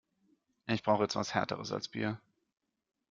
Ich brauche jetzt etwas Härteres als Bier.